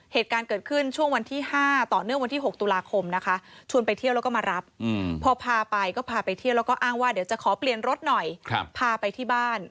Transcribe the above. เหตุการณ์เกิดขึ้นช่วงวันที่๕ต่อเนื่องวันที่๖ตุลาคมนะคะ